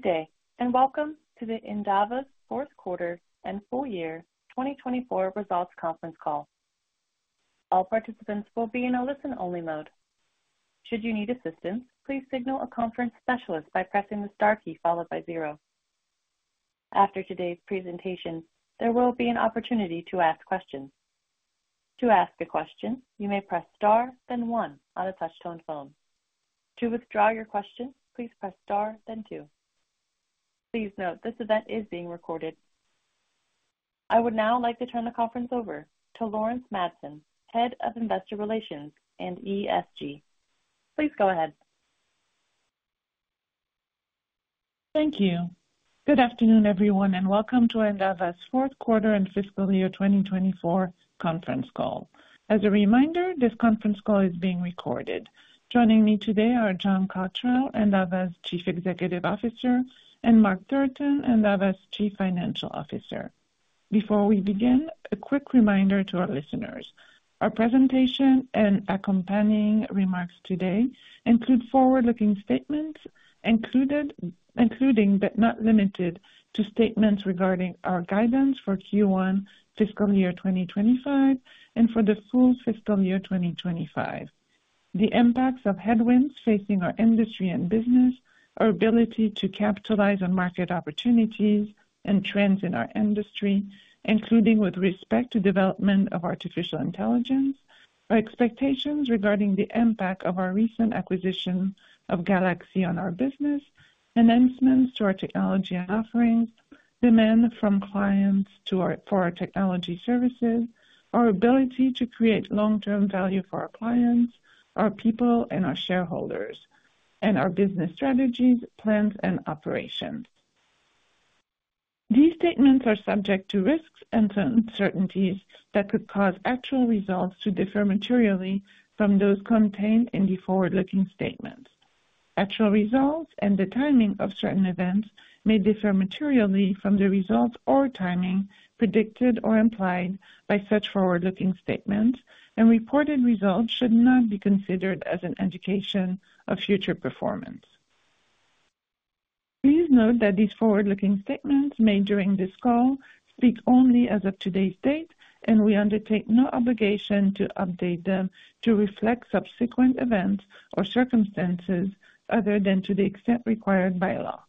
Good day, and welcome to Endava's fourth quarter and full year 2024 results conference call. All participants will be in a listen-only mode. Should you need assistance, please signal a conference specialist by pressing the star key followed by zero. After today's presentation, there will be an opportunity to ask questions. To ask a question, you may press Star, then one on a touch-tone phone. To withdraw your question, please press Star, then two. Please note, this event is being recorded. I would now like to turn the conference over to Laurence Madsen, Head of Investor Relations and ESG. Please go ahead. Thank you. Good afternoon, everyone, and welcome to Endava's fourth quarter and fiscal year 2024 conference call. As a reminder, this conference call is being recorded. Joining me today are John Cottrell, Endava's Chief Executive Officer, and Mark Thurston, Endava's Chief Financial Officer. Before we begin, a quick reminder to our listeners. Our presentation and accompanying remarks today include forward-looking statements, including, but not limited to statements regarding our guidance for Q1 fiscal year 2025 and for the full fiscal year 2025 The impacts of headwinds facing our industry and business, our ability to capitalize on market opportunities and trends in our industry, including with respect to development of artificial intelligence, our expectations regarding the impact of our recent acquisition of GalaxE.Solutions on our business, enhancements to our technology offerings, demand from clients for our technology services, our ability to create long-term value for our clients, our people, and our shareholders, and our business strategies, plans, and operations. These statements are subject to risks and uncertainties that could cause actual results to differ materially from those contained in the forward-looking statements. Actual results and the timing of certain events may differ materially from the results or timing predicted or implied by such forward-looking statements, and reported results should not be considered as an indication of future performance. Please note that these forward-looking statements made during this call speak only as of today's date, and we undertake no obligation to update them to reflect subsequent events or circumstances other than to the extent required by law.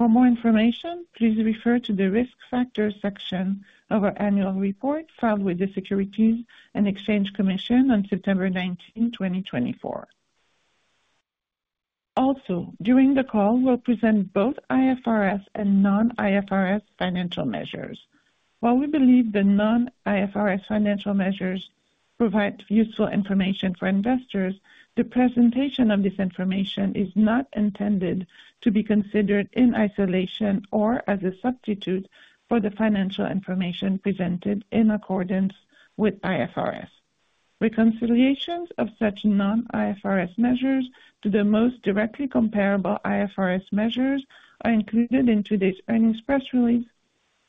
For more information, please refer to the Risk Factors section of our annual report, filed with the Securities and Exchange Commission on September nineteen, 2024. Also, during the call, we'll present both IFRS and non-IFRS financial measures. While we believe the non-IFRS financial measures provide useful information for investors, the presentation of this information is not intended to be considered in isolation or as a substitute for the financial information presented in accordance with IFRS. Reconciliations of such non-IFRS measures to the most directly comparable IFRS measures are included in today's earnings press release,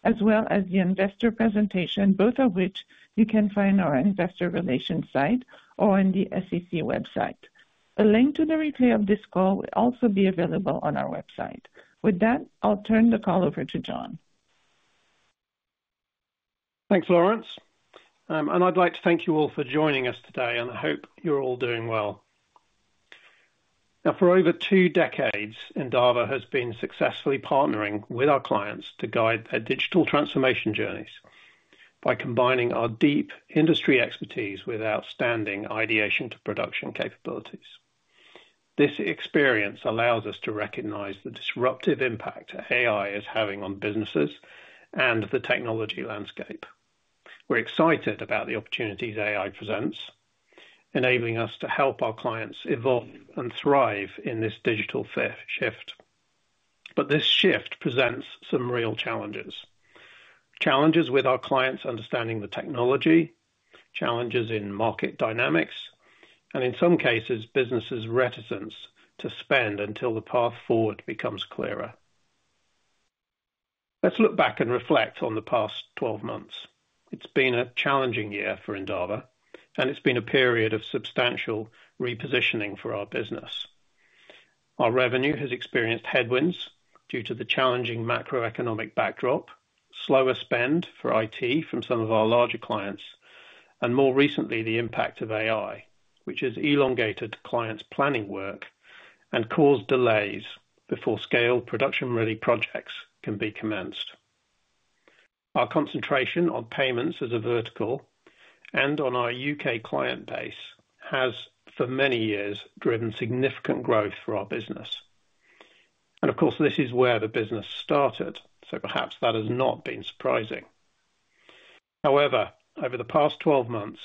as well as the investor presentation, both of which you can find on our investor relations site or on the SEC website. A link to the replay of this call will also be available on our website. With that, I'll turn the call over to John. Thanks, Laurence. And I'd like to thank you all for joining us today, and I hope you're all doing well. Now, for over two decades, Endava has been successfully partnering with our clients to guide their digital transformation journeys by combining our deep industry expertise with outstanding ideation to production capabilities. This experience allows us to recognize the disruptive impact AI is having on businesses and the technology landscape. We're excited about the opportunities AI presents, enabling us to help our clients evolve and thrive in this digital shift. But this shift presents some real challenges. Challenges with our clients understanding the technology, challenges in market dynamics, and in some cases, businesses' reticence to spend until the path forward becomes clearer. Let's look back and reflect on the past twelve months. It's been a challenging year for Endava, and it's been a period of substantial repositioning for our business. Our revenue has experienced headwinds due to the challenging macroeconomic backdrop, slower spend for IT from some of our larger clients, and more recently, the impact of AI, which has elongated clients' planning work and caused delays before scale production-ready projects can be commenced. Our concentration on payments as a vertical and on our UK client base has, for many years, driven significant growth for our business. And of course, this is where the business started, so perhaps that has not been surprising. However, over the past twelve months,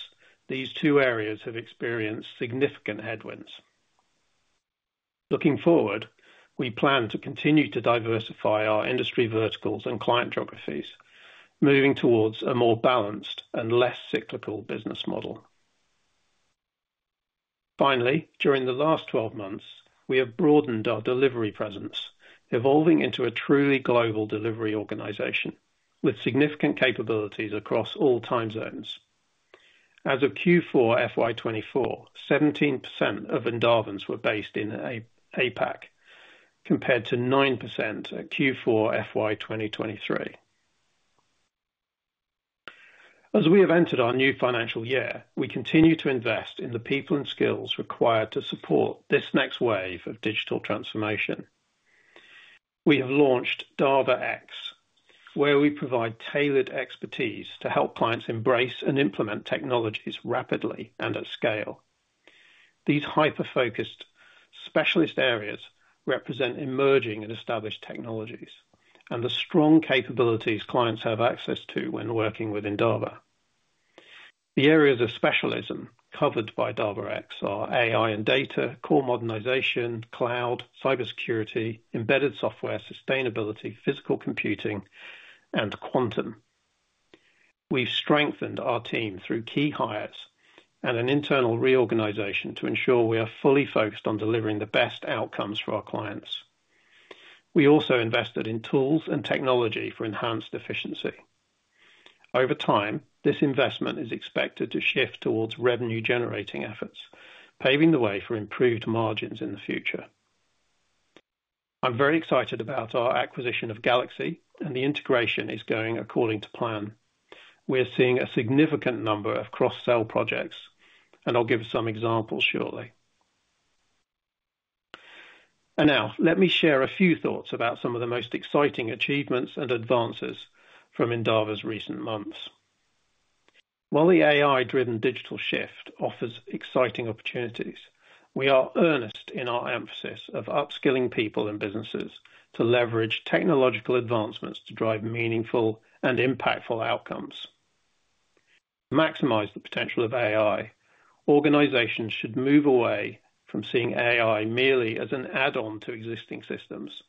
these two areas have experienced significant headwinds. Looking forward, we plan to continue to diversify our industry verticals and client geographies, moving towards a more balanced and less cyclical business model. Finally, during the last twelve months, we have broadened our delivery presence, evolving into a truly global delivery organization with significant capabilities across all time zones. As of Q4 FY 2024, 17% of Endavans were based in APAC, compared to 9% at Q4 FY 2023. As we have entered our new financial year, we continue to invest in the people and skills required to support this next wave of digital transformation. We have launched Endava X, where we provide tailored expertise to help clients embrace and implement technologies rapidly and at scale. These hyper-focused specialist areas represent emerging and established technologies, and the strong capabilities clients have access to when working with Endava. The areas of specialism covered by Endava X are AI and data, core modernization, cloud, cybersecurity, embedded software, sustainability, physical computing, and quantum. We've strengthened our team through key hires and an internal reorganization to ensure we are fully focused on delivering the best outcomes for our clients. We also invested in tools and technology for enhanced efficiency. Over time, this investment is expected to shift towards revenue-generating efforts, paving the way for improved margins in the future. I'm very excited about our acquisition of GalaxE, and the integration is going according to plan. We are seeing a significant number of cross-sell projects, and I'll give some examples shortly. And now, let me share a few thoughts about some of the most exciting achievements and advances from Endava's recent months. While the AI-driven digital shift offers exciting opportunities, we are earnest in our emphasis of upskilling people and businesses to leverage technological advancements to drive meaningful and impactful outcomes. To maximize the potential of AI, organizations should move away from seeing AI merely as an add-on to existing systems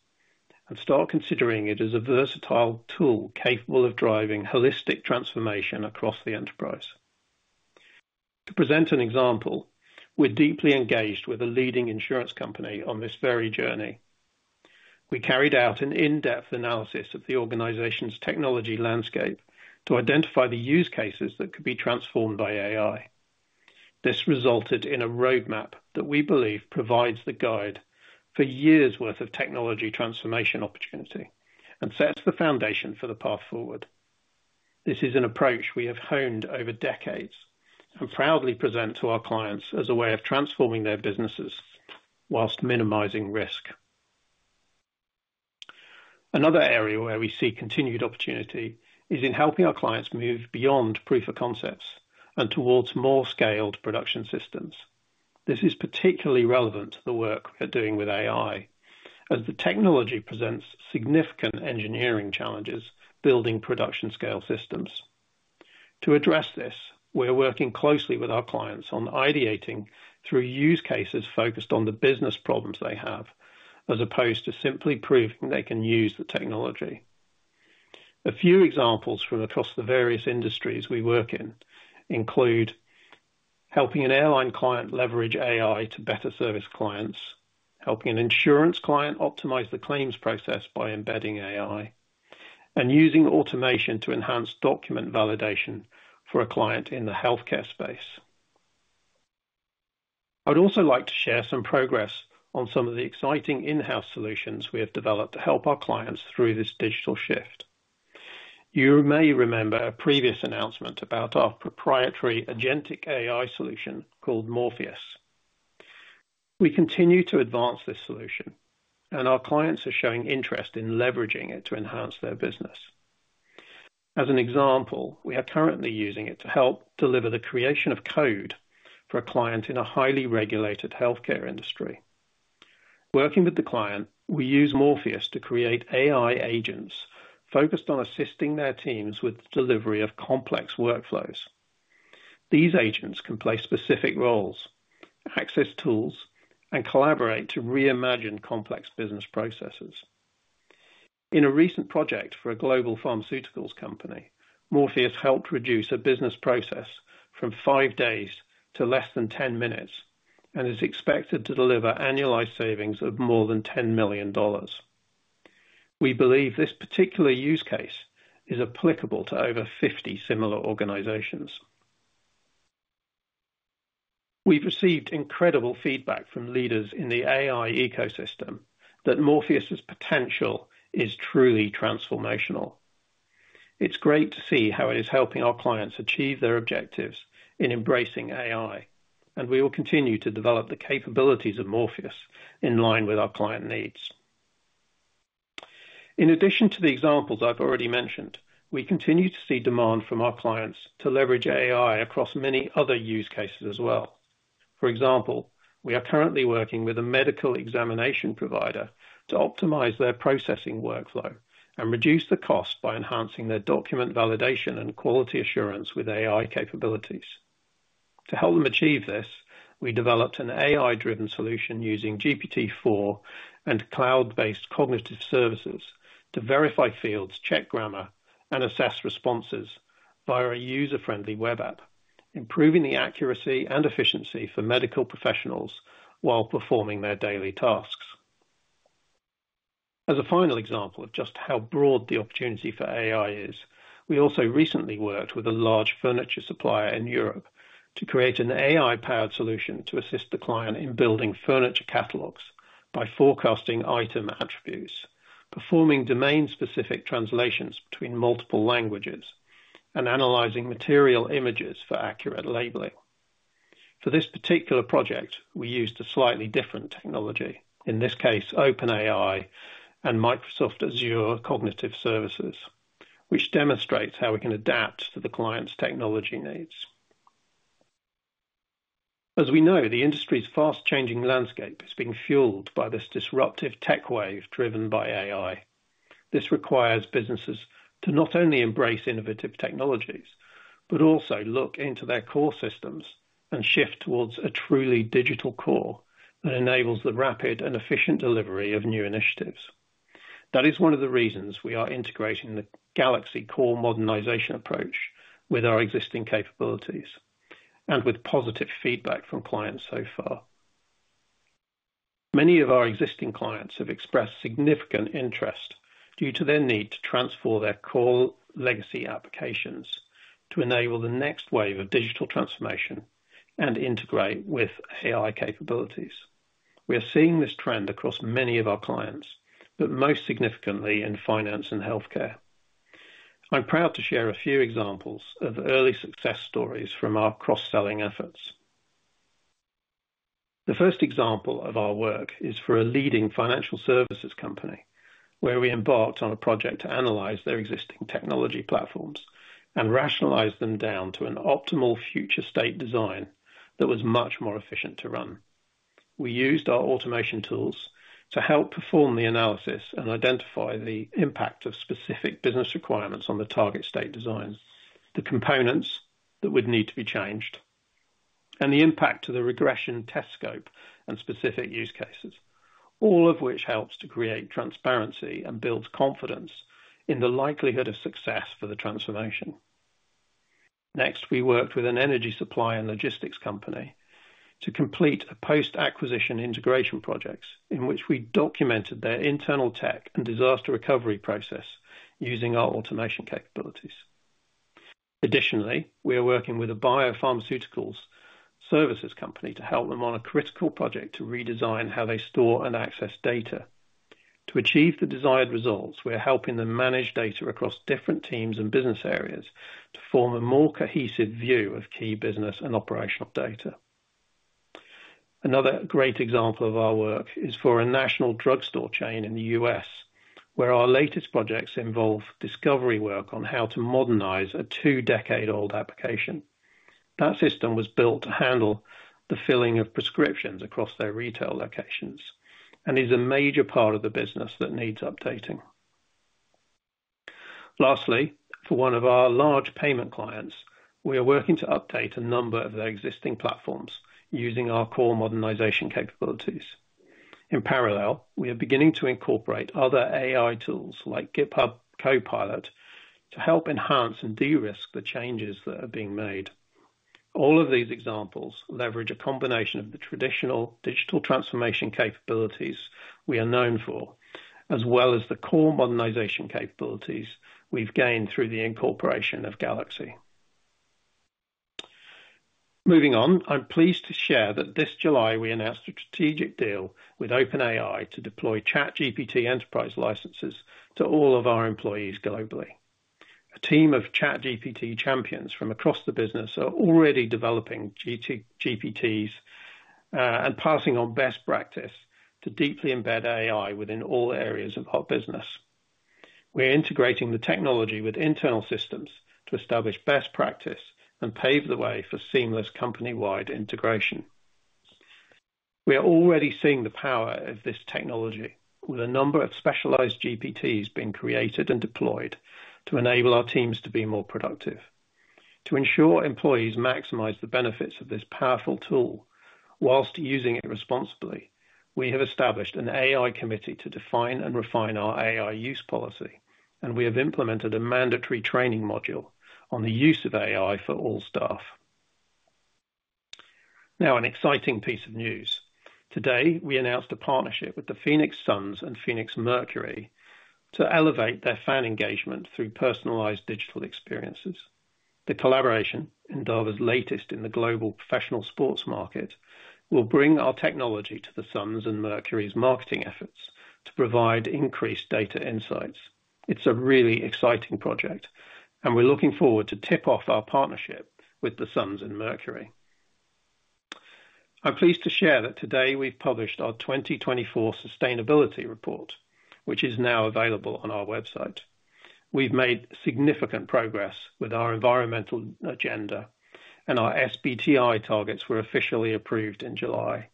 and start considering it as a versatile tool, capable of driving holistic transformation across the enterprise. To present an example, we're deeply engaged with a leading insurance company on this very journey. We carried out an in-depth analysis of the organization's technology landscape to identify the use cases that could be transformed by AI. This resulted in a roadmap that we believe provides the guide for years' worth of technology transformation opportunity and sets the foundation for the path forward. This is an approach we have honed over decades and proudly present to our clients as a way of transforming their businesses whilst minimizing risk. Another area where we see continued opportunity is in helping our clients move beyond proof of concepts and towards more scaled production systems. This is particularly relevant to the work we're doing with AI, as the technology presents significant engineering challenges building production scale systems. To address this, we're working closely with our clients on ideating through use cases focused on the business problems they have, as opposed to simply proving they can use the technology. A few examples from across the various industries we work in include helping an airline client leverage AI to better service clients, helping an insurance client optimize the claims process by embedding AI, and using automation to enhance document validation for a client in the healthcare space. I would also like to share some progress on some of the exciting in-house solutions we have developed to help our clients through this digital shift. You may remember a previous announcement about our proprietary agentic AI solution called Morpheus. We continue to advance this solution, and our clients are showing interest in leveraging it to enhance their business. As an example, we are currently using it to help deliver the creation of code for a client in a highly regulated healthcare industry. Working with the client, we use Morpheus to create AI agents focused on assisting their teams with delivery of complex workflows. These agents can play specific roles, access tools, and collaborate to reimagine complex business processes. In a recent project for a global pharmaceuticals company, Morpheus helped reduce a business process from five days to less than 10 minutes, and is expected to deliver annualized savings of more than $10 million. We believe this particular use case is applicable to over 50 similar organizations. We've received incredible feedback from leaders in the AI ecosystem that Morpheus's potential is truly transformational. It's great to see how it is helping our clients achieve their objectives in embracing AI, and we will continue to develop the capabilities of Morpheus in line with our client needs. In addition to the examples I've already mentioned, we continue to see demand from our clients to leverage AI across many other use cases as well. For example, we are currently working with a medical examination provider to optimize their processing workflow and reduce the cost by enhancing their document validation and quality assurance with AI capabilities. To help them achieve this, we developed an AI-driven solution using GPT-4 and cloud-based cognitive services to verify fields, check grammar, and assess responses via a user-friendly web app, improving the accuracy and efficiency for medical professionals while performing their daily tasks. As a final example of just how broad the opportunity for AI is, we also recently worked with a large furniture supplier in Europe to create an AI-powered solution to assist the client in building furniture catalogs by forecasting item attributes, performing domain-specific translations between multiple languages, and analyzing material images for accurate labeling. For this particular project, we used a slightly different technology, in this case, OpenAI and Microsoft Azure Cognitive Services, which demonstrates how we can adapt to the client's technology needs. As we know, the industry's fast-changing landscape is being fueled by this disruptive tech wave driven by AI. This requires businesses to not only embrace innovative technologies, but also look into their core systems and shift towards a truly digital core that enables the rapid and efficient delivery of new initiatives. That is one of the reasons we are integrating the GalaxE core modernization approach with our existing capabilities and with positive feedback from clients so far. Many of our existing clients have expressed significant interest due to their need to transform their core legacy applications to enable the next wave of digital transformation and integrate with AI capabilities. We are seeing this trend across many of our clients, but most significantly in finance and healthcare. I'm proud to share a few examples of early success stories from our cross-selling efforts. The first example of our work is for a leading financial services company, where we embarked on a project to analyze their existing technology platforms and rationalize them down to an optimal future state design that was much more efficient to run. We used our automation tools to help perform the analysis and identify the impact of specific business requirements on the target state designs, the components that would need to be changed, and the impact to the regression test scope and specific use cases, all of which helps to create transparency and builds confidence in the likelihood of success for the transformation. Next, we worked with an energy supplier and logistics company to complete a post-acquisition integration projects, in which we documented their internal tech and disaster recovery process using our automation capabilities. Additionally, we are working with a biopharmaceuticals services company to help them on a critical project to redesign how they store and access data. To achieve the desired results, we are helping them manage data across different teams and business areas to form a more cohesive view of key business and operational data. Another great example of our work is for a national drugstore chain in the US, where our latest projects involve discovery work on how to modernize a two-decade-old application. That system was built to handle the filling of prescriptions across their retail locations and is a major part of the business that needs updating. Lastly, for one of our large payment clients, we are working to update a number of their existing platforms using our core modernization capabilities. In parallel, we are beginning to incorporate other AI tools like GitHub Copilot to help enhance and de-risk the changes that are being made. All of these examples leverage a combination of the traditional digital transformation capabilities we are known for, as well as the core modernization capabilities we've gained through the incorporation of GalaxE. Moving on, I'm pleased to share that this July, we announced a strategic deal with OpenAI to deploy ChatGPT Enterprise licenses to all of our employees globally. A team of ChatGPT champions from across the business are already developing GPTs and passing on best practice to deeply embed AI within all areas of our business. We are integrating the technology with internal systems to establish best practice and pave the way for seamless company-wide integration. We are already seeing the power of this technology with a number of specialized GPTs being created and deployed to enable our teams to be more productive. To ensure employees maximize the benefits of this powerful tool while using it responsibly, we have established an AI committee to define and refine our AI use policy, and we have implemented a mandatory training module on the use of AI for all staff. Now, an exciting piece of news. Today, we announced a partnership with the Phoenix Suns and Phoenix Mercury to elevate their fan engagement through personalized digital experiences. The collaboration, Endava's latest in the global professional sports market, will bring our technology to the Suns and Mercury's marketing efforts to provide increased data insights. It's a really exciting project, and we're looking forward to tip off our partnership with the Suns and Mercury. I'm pleased to share that today we've published our 2024 sustainability report, which is now available on our website. We've made significant progress with our environmental agenda, and our SBTi targets were officially approved in July.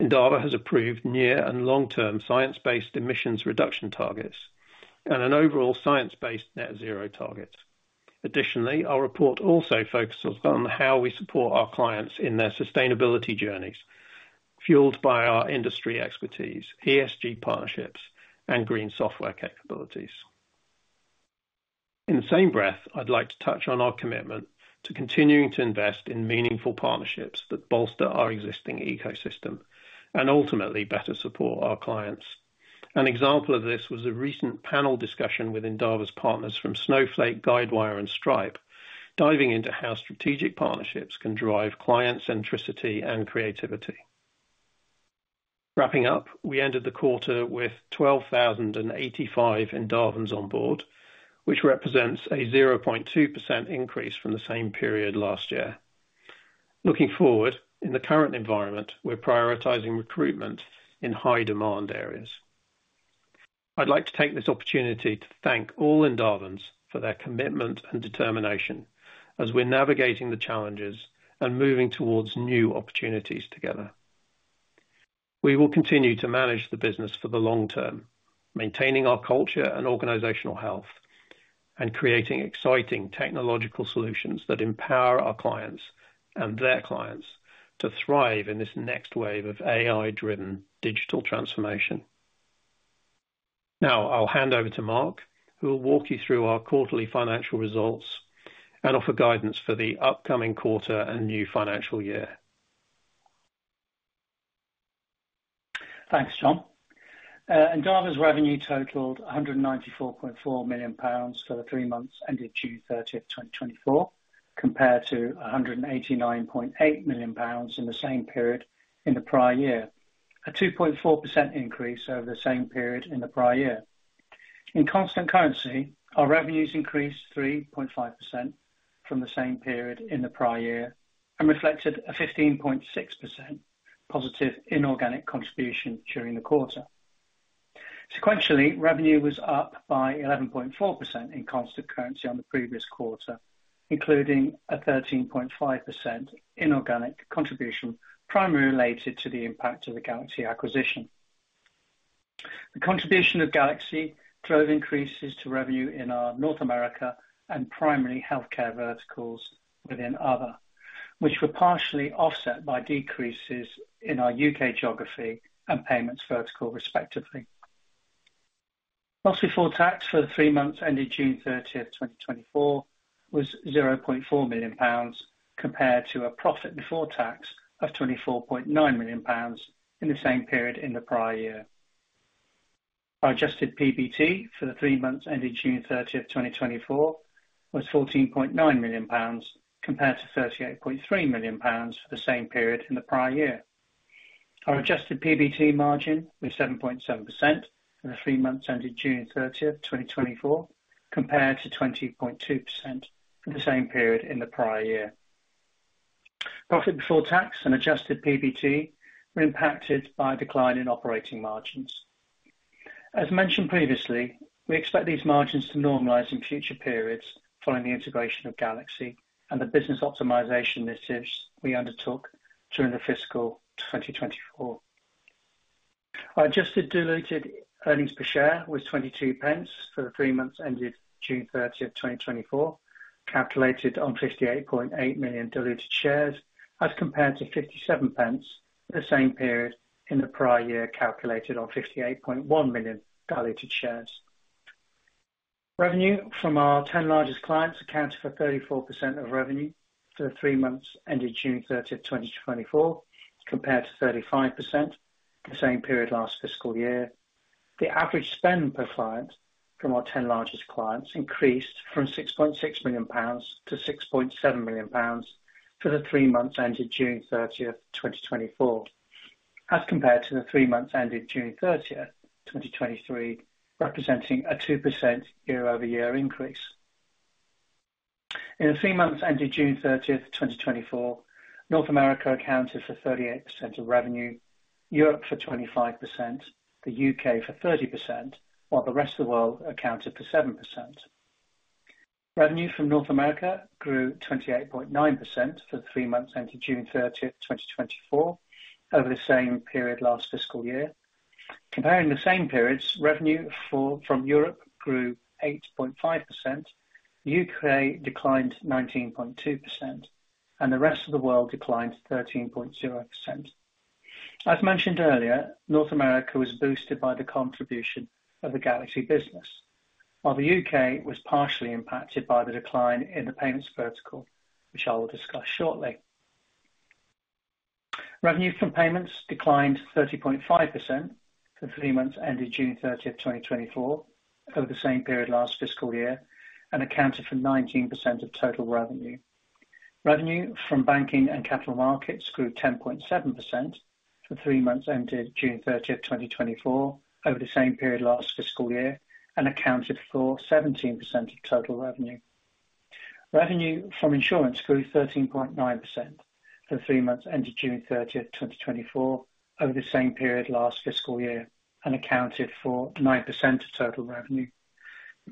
Endava has approved near and long-term science-based emissions reduction targets and an overall science-based net zero target. Additionally, our report also focuses on how we support our clients in their sustainability journeys, fueled by our industry expertise, ESG partnerships, and green software capabilities. In the same breath, I'd like to touch on our commitment to continuing to invest in meaningful partnerships that bolster our existing ecosystem and ultimately better support our clients. An example of this was a recent panel discussion with Endava's partners from Snowflake, Guidewire, and Stripe, diving into how strategic partnerships can drive client centricity and creativity. Wrapping up, we ended the quarter with 12,085 Endavans on board, which represents a 0.2% increase from the same period last year. Looking forward, in the current environment, we're prioritizing recruitment in high demand areas. I'd like to take this opportunity to thank all Endavans for their commitment and determination as we're navigating the challenges and moving towards new opportunities together. We will continue to manage the business for the long term, maintaining our culture and organizational health, and creating exciting technological solutions that empower our clients and their clients to thrive in this next wave of AI-driven digital transformation. Now, I'll hand over to Mark, who will walk you through our quarterly financial results and offer guidance for the upcoming quarter and new financial year. Thanks, John. Endava's revenue totaled 194.4 million pounds for the three months ended June thirtieth, 2024, compared to 189.8 million pounds in the same period in the prior year, a 2.4% increase over the same period in the prior year. In constant currency, our revenues increased 3.5% from the same period in the prior year and reflected a 15.6% positive inorganic contribution during the quarter. Sequentially, revenue was up by 11.4% in constant currency on the previous quarter, including a 13.5% inorganic contribution, primarily related to the impact of the GalaxE acquisition. The contribution of GalaxE growth increases to revenue in our North America and primary healthcare verticals within other, which were partially offset by decreases in our UK geography and payments vertical, respectively. Profit before tax for the three months ended June thirtieth, 2024, was 0.4 million pounds, compared to a profit before tax of 24.9 million pounds in the same period in the prior year. Our adjusted PBT for the three months ended June thirtieth, 2024, was GBP 14.9 million, compared to GBP 38.3 million for the same period in the prior year. Our adjusted PBT margin was 7.7% for the three months ended June thirtieth, 2024, compared to 20.2% for the same period in the prior year. Profit before tax and adjusted PBT were impacted by a decline in operating margins. As mentioned previously, we expect these margins to normalize in future periods following the integration of GalaxE and the business optimization initiatives we undertook during the fiscal 2024. Our adjusted diluted earnings per share was 0.22 for the three months ended June thirtieth, 2024, calculated on 58.8 million diluted shares, as compared to 0.57 for the same period in the prior year, calculated on 58.1 million diluted shares. Revenue from our ten largest clients accounted for 34% of revenue for the three months ended June thirtieth, 2024, compared to 35% the same period last fiscal year. The average spend per client from our 10 largest clients increased from 6.6 million pounds to 6.7 million pounds for the three months ended June thirtieth, 2024, as compared to the three months ended June thirtieth, 2023, representing a 2% year-over-year increase. In the three months ended June thirtieth, 2024, North America accounted for 38% of revenue, Europe for 25%, the UK for 30%, while the rest of the world accounted for 7%. Revenue from North America grew 28.9% for the three months ended June thirtieth, 2024, over the same period last fiscal year. Comparing the same periods, revenue from Europe grew 8.5%, UK declined 19.2%, and the rest of the world declined 13.0%. As mentioned earlier, North America was boosted by the contribution of the GalaxE business, while the UK was partially impacted by the decline in the payments vertical, which I will discuss shortly. Revenue from payments declined 30.5% for the three months ended June 30, 2024, over the same period last fiscal year, and accounted for 19% of total revenue. Revenue from banking and capital markets grew 10.7% for the three months ended June 30, 2024, over the same period last fiscal year, and accounted for 17% of total revenue. Revenue from insurance grew 13.9% for the three months ended June 30, 2024, over the same period last fiscal year, and accounted for 9% of total revenue.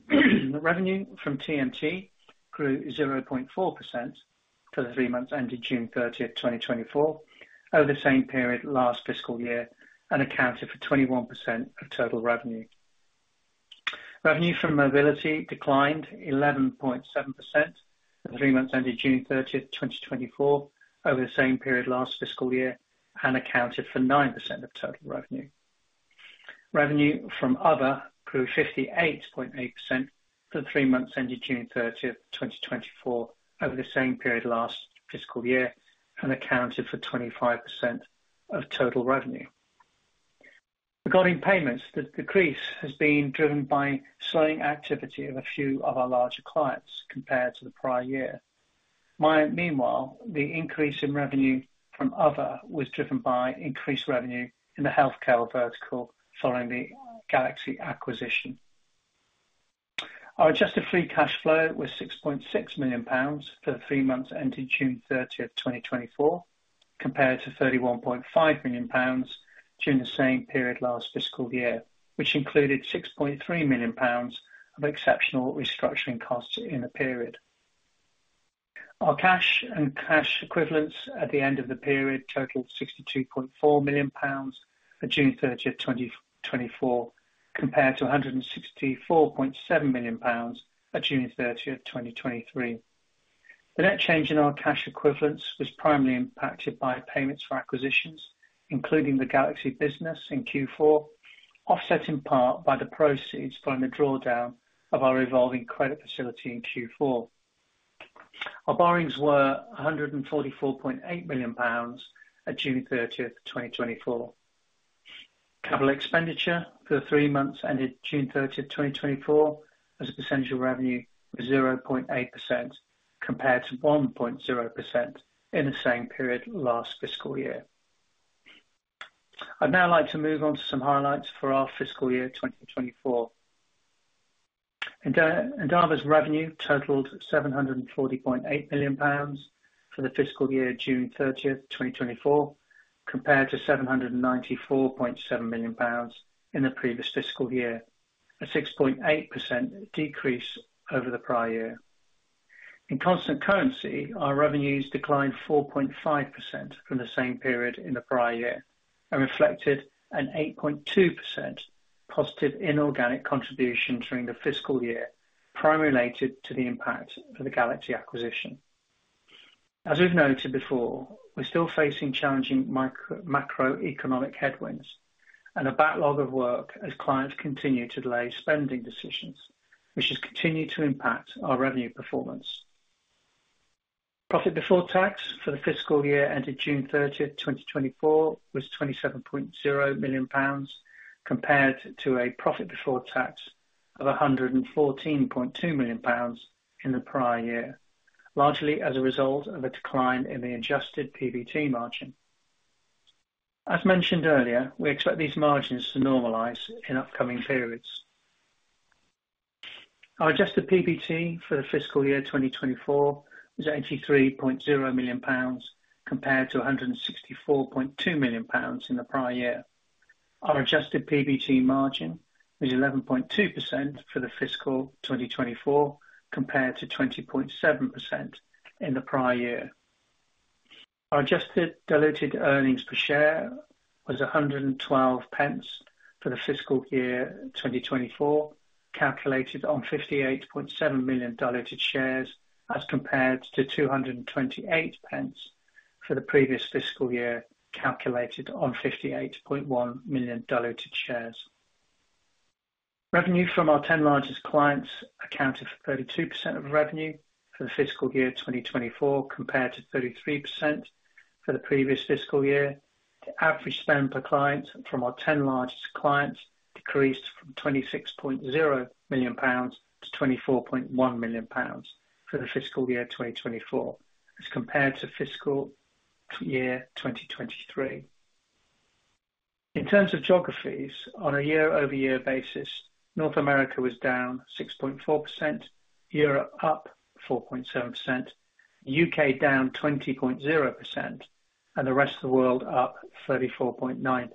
The revenue from TMT grew 0.4% for the three months ended June thirtieth, 2024, over the same period last fiscal year, and accounted for 21% of total revenue. Revenue from mobility declined 11.7% for the three months ended June thirtieth, 2024, over the same period last fiscal year, and accounted for 9% of total revenue. Revenue from other grew 58.8% for the three months ended June thirtieth, 2024, over the same period last fiscal year, and accounted for 25% of total revenue. Regarding payments, the decrease has been driven by slowing activity of a few of our larger clients compared to the prior year. Meanwhile, the increase in revenue from other was driven by increased revenue in the healthcare vertical following the GalaxE acquisition. Our adjusted free cash flow was 6.6 million pounds for the three months ended June thirtieth, 2024, compared to 31.5 million pounds during the same period last fiscal year, which included 6.3 million pounds of exceptional restructuring costs in the period. Our cash and cash equivalents at the end of the period totaled 62.4 million pounds for June thirtieth, 2024, compared to 164.7 million pounds at June thirtieth, 2023. The net change in our cash equivalents was primarily impacted by payments for acquisitions, including the GalaxE business in Q4, offset in part by the proceeds following the drawdown of our revolving credit facility in Q4. Our borrowings were 144.8 million pounds at June thirtieth, 2024. Capital expenditure for the three months ended June thirtieth, 2024, as a percentage of revenue, was 0.8%, compared to 1.0% in the same period last fiscal year. I'd now like to move on to some highlights for our fiscal year 2024. Endava's revenue totaled 740.8 million pounds for the fiscal year, June thirtieth, 2024, compared to 794.7 million pounds in the previous fiscal year, a 6.8% decrease over the prior year. In constant currency, our revenues declined 4.5% from the same period in the prior year and reflected an 8.2% positive inorganic contribution during the fiscal year, primarily related to the impact of the GalaxE acquisition. As we've noted before, we're still facing challenging macroeconomic headwinds and a backlog of work as clients continue to delay spending decisions, which has continued to impact our revenue performance. Profit before tax for the fiscal year ended June 30th, 2024, was 27.0 million pounds, compared to a profit before tax of 114.2 million pounds in the prior year, largely as a result of a decline in the adjusted PBT margin. As mentioned earlier, we expect these margins to normalize in upcoming periods. Our adjusted PBT for the fiscal year 2024 was 83.0 million pounds, compared to 164.2 million pounds in the prior year. Our adjusted PBT margin was 11.2% for the fiscal 2024, compared to 20.7% in the prior year. Our adjusted diluted earnings per share was 1.12 for the fiscal year 2024, calculated on 58.7 million diluted shares, as compared to 2.28 for the previous fiscal year, calculated on 58.1 million diluted shares. Revenue from our 10 largest clients accounted for 32% of revenue for the fiscal year 2024, compared to 33% for the previous fiscal year. The average spend per client from our 10 largest clients decreased from 26.0 million pounds to 24.1 million pounds for the fiscal year 2024, as compared to fiscal year 2023. In terms of geographies, on a year-over-year basis, North America was down 6.4%, Europe up 4.7%, UK down 20.0%, and the rest of the world up 34.9%.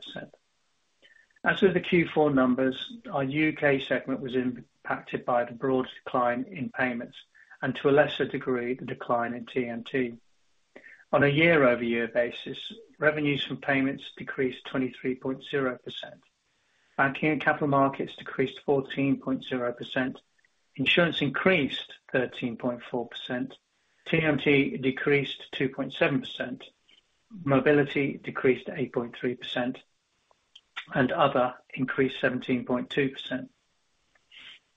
As with the Q4 numbers, our UK segment was impacted by the broad decline in payments and, to a lesser degree, the decline in TMT. On a year-over-year basis, revenues from payments decreased 23.0%. Banking and capital markets decreased 14.0%. Insurance increased 13.4%. TMT decreased 2.7%. Mobility decreased 8.3%, and other increased 17.2%.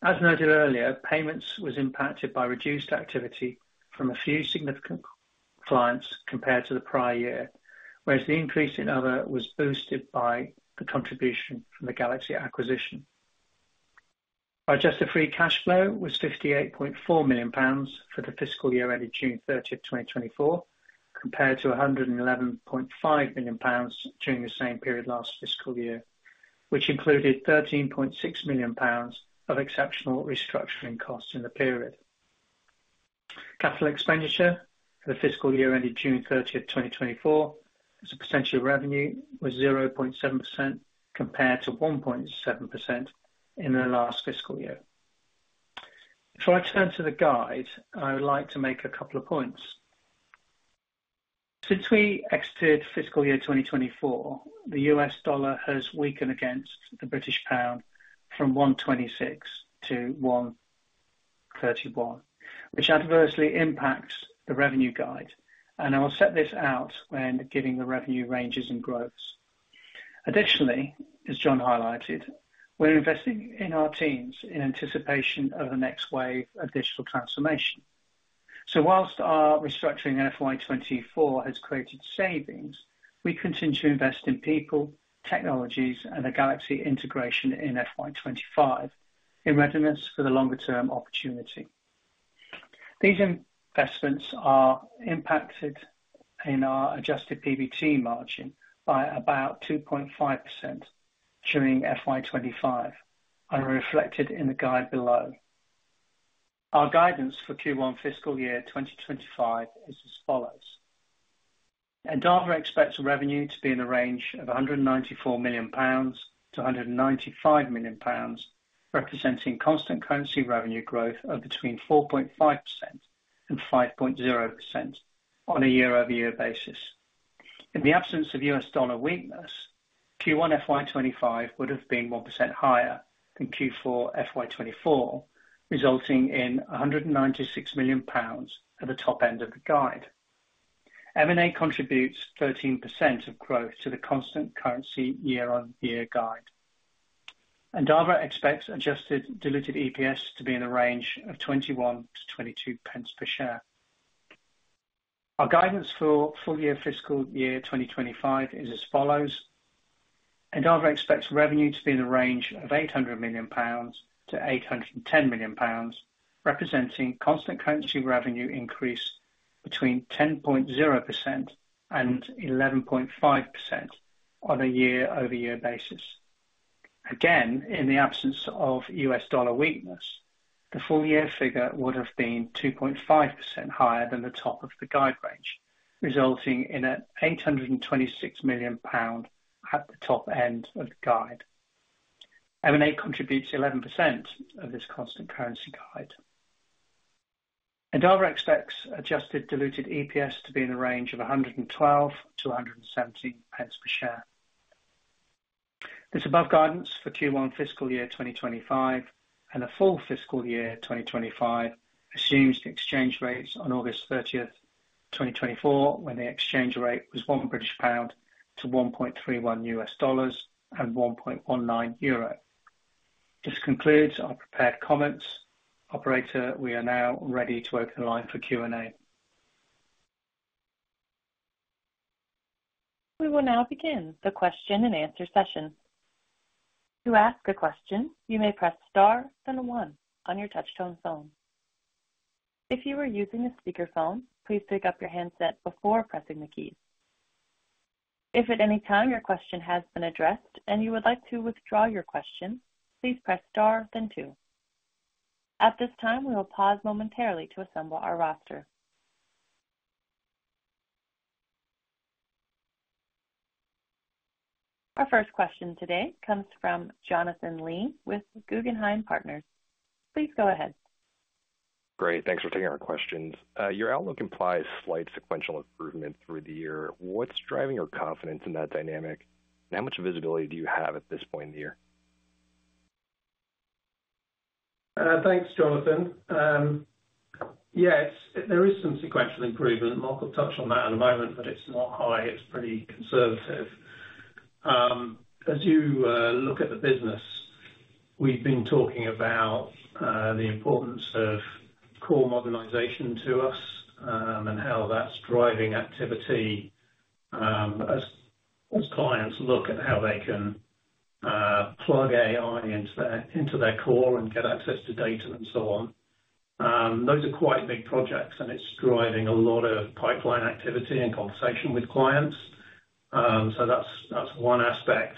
As noted earlier, payments was impacted by reduced activity from a few significant clients compared to the prior year, whereas the increase in other was boosted by the contribution from the GalaxE acquisition. Our adjusted free cash flow was 58.4 million pounds for the fiscal year ended June thirtieth, 2024, compared to 111.5 million pounds during the same period last fiscal year, which included 13.6 million pounds of exceptional restructuring costs in the period. Capital expenditure for the fiscal year ended June thirtieth, 2024, as a percentage of revenue, was 0.7%, compared to 1.7% in the last fiscal year. Before I turn to the guide, I would like to make a couple of points. Since we exited fiscal year 2024, the U.S. dollar has weakened against the British pound from 1.26 to 1.31, which adversely impacts the revenue guide, and I will set this out when giving the revenue ranges and growths. Additionally, as John highlighted, we're investing in our teams in anticipation of the next wave of digital transformation. So whilst our restructuring in FY24 has created savings, we continue to invest in people, technologies, and the GalaxE integration in FY25 in readiness for the longer term opportunity. These investments are impacted in our adjusted PBT margin by about 2.5% during FY 2025, are reflected in the guide below. Our guidance for Q1 fiscal year 2025 is as follows: Endava expects revenue to be in the range of 194 million pounds to 195 million pounds, representing constant currency revenue growth of between 4.5% and 5.0% on a year-over-year basis. In the absence of US dollar weakness, Q1 FY 2025 would have been 1% higher than Q4 FY 2024, resulting in 196 million pounds at the top end of the guide. M&A contributes 13% of growth to the constant currency year-on-year guide. Endava expects adjusted diluted EPS to be in the range of 21-22 pence per share. Our guidance for full-year fiscal year 2025 is as follows: Endava expects revenue to be in the range of 800 million-810 million pounds, representing constant currency revenue increase between 10.0% and 11.5% on a year-over-year basis. Again, in the absence of US dollar weakness, the full year figure would have been 2.5% higher than the top of the guide range, resulting in 826 million pound at the top end of the guide. M&A contributes 11% of this constant currency guide. Endava expects adjusted diluted EPS to be in the range of 112 to 117 pence per share. This above guidance for Q1 fiscal year 2025 and the full fiscal year 2025 assumes the exchange rates on August thirtieth, 2024, when the exchange rate was one British pound to $1.31 and 1.19 euro. This concludes our prepared comments. Operator, we are now ready to open the line for Q&A. We will now begin the question and answer session. To ask a question, you may press star then one on your touchtone phone. If you are using a speakerphone, please pick up your handset before pressing the key. If at any time your question has been addressed and you would like to withdraw your question, please press star then two. At this time, we will pause momentarily to assemble our roster. Our first question today comes from Jonathan Lee with Guggenheim Partners. Please go ahead. Great, thanks for taking our questions. Your outlook implies slight sequential improvement through the year. What's driving your confidence in that dynamic? And how much visibility do you have at this point in the year? Thanks, Jonathan. Yes, there is some sequential improvement. Mark touched on that in a moment, but it's not high. It's pretty conservative. As you look at the business, we've been talking about the importance of core modernization to us, and how that's driving activity, as clients look at how they can plug AI into their core and get access to data and so on. Those are quite big projects, and it's driving a lot of pipeline activity and conversation with clients. So that's one aspect.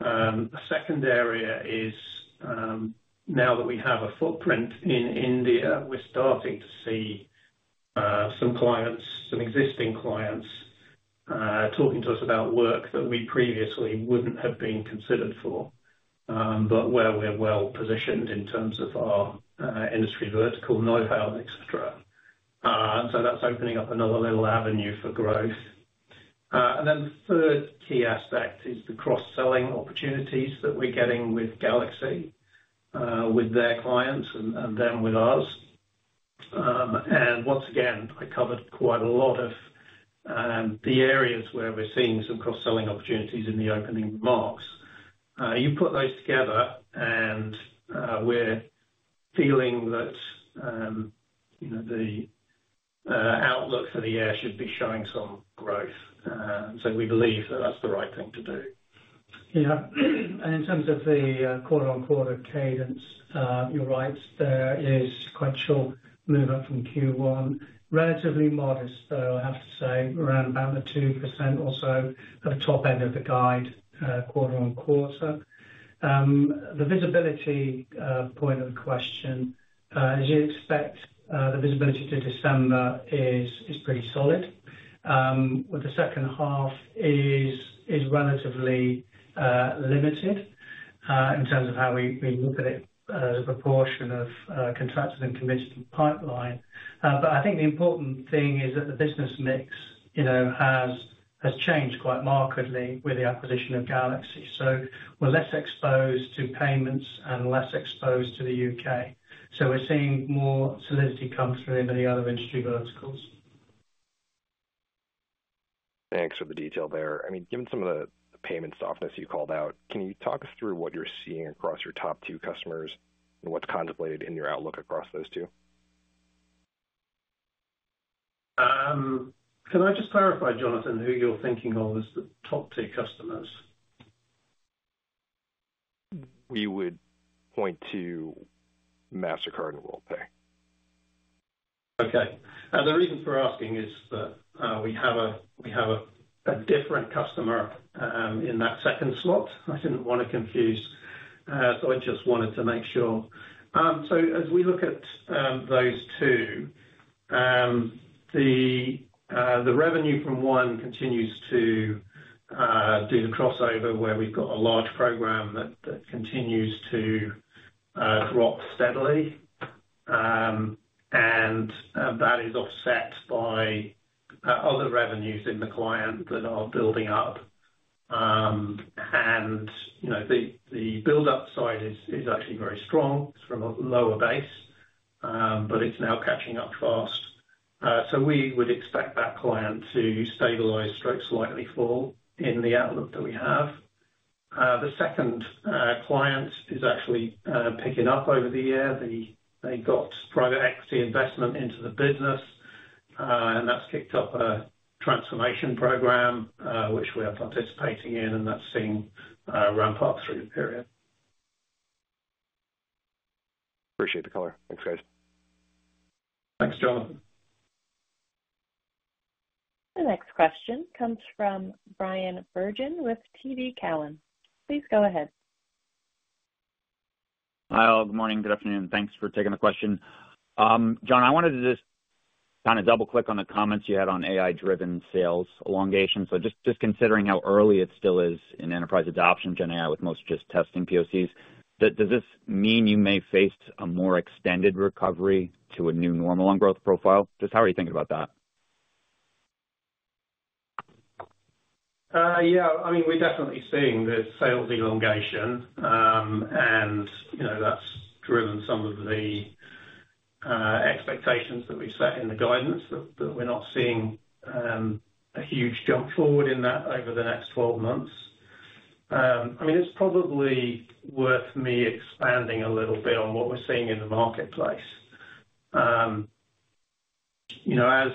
The second area is, now that we have a footprint in India, we're starting to see some clients, some existing clients, talking to us about work that we previously wouldn't have been considered for, but where we're well positioned in terms of our industry vertical know-how, et cetera. That's opening up another little avenue for growth. The third key aspect is the cross-selling opportunities that we're getting with GalaxE, with their clients and them with ours. Once again, I covered quite a lot of the areas where we're seeing some cross-selling opportunities in the opening remarks. You put those together, and we're feeling that, you know, the outlook for the year should be showing some growth. We believe that that's the right thing to do. Yeah. And in terms of the quarter-on-quarter cadence, you're right, there is quite a short move up from Q1. Relatively modest, though, I have to say, around about the 2% or so at the top end of the guide, quarter on quarter. The visibility point of the question, as you'd expect, the visibility to December is pretty solid. With the second half is relatively limited in terms of how we look at it as a proportion of contracted and committed pipeline. But I think the important thing is that the business mix, you know, has changed quite markedly with the acquisition of GalaxE. So we're less exposed to payments and less exposed to the U.K. So we're seeing more solidity come through in the other industry verticals.... Thanks for the detail there. I mean, given some of the payment softness you called out, can you talk us through what you're seeing across your top two customers and what's contemplated in your outlook across those two? Can I just clarify, Jonathan, who you're thinking of as the top two customers? We would point to Mastercard and Worldpay. Okay. The reason for asking is that we have a different customer in that second slot. I didn't want to confuse, so I just wanted to make sure. So as we look at those two, the revenue from one continues to do the crossover, where we've got a large program that continues to grow steadily. And that is offset by other revenues in the client that are building up. And, you know, the buildup side is actually very strong. It's from a lower base, but it's now catching up fast. So we would expect that client to stabilize or slightly fall in the outlook that we have. The second client is actually picking up over the year. They got private equity investment into the business, and that's kicked off a transformation program, which we are participating in, and that's seeing ramp up through the period. Appreciate the color. Thanks, guys. Thanks, Jonathan. The next question comes from Brian Bergen with TD Cowen. Please go ahead. Hi, all. Good morning, good afternoon, and thanks for taking the question. John, I wanted to just kind of double-click on the comments you had on AI-driven sales elongation. So just considering how early it still is in enterprise adoption, GenAI, with most just testing POCs, does this mean you may face a more extended recovery to a new normal on growth profile? Just how are you thinking about that? Yeah. I mean, we're definitely seeing the sales elongation, and, you know, that's driven some of the expectations that we set in the guidance, that we're not seeing a huge jump forward in that over the next twelve months. I mean, it's probably worth me expanding a little bit on what we're seeing in the marketplace. You know,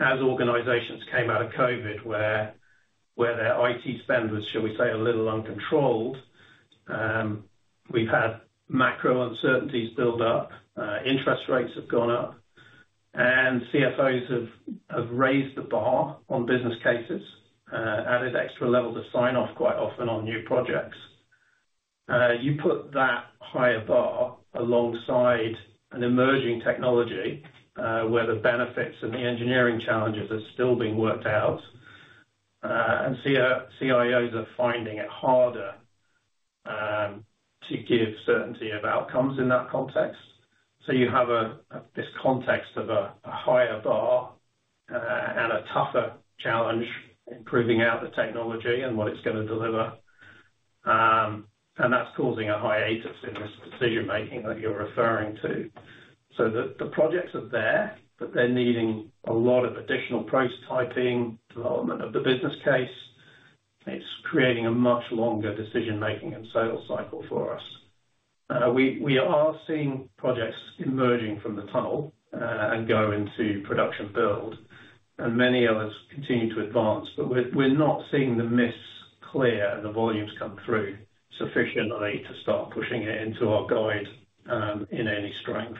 as organizations came out of COVID, where their IT spend was, shall we say, a little uncontrolled, we've had macro uncertainties build up, interest rates have gone up, and CFOs have raised the bar on business cases, added extra level to sign off quite often on new projects. You put that higher bar alongside an emerging technology, where the benefits and the engineering challenges are still being worked out, and CIOs are finding it harder to give certainty of outcomes in that context. So you have this context of a higher bar and a tougher challenge in proving out the technology and what it's gonna deliver. And that's causing a hiatus in this decision-making that you're referring to. So the projects are there, but they're needing a lot of additional prototyping, development of the business case. It's creating a much longer decision-making and sales cycle for us. We are seeing projects emerging from the tunnel and go into production build, and many others continue to advance, but we're not seeing the mists clear and the volumes come through sufficiently to start pushing it into our guide in any strength.